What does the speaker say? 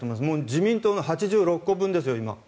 自民党の８６個分ですよ、今。